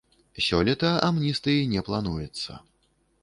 Сёлета амністыі не плануецца.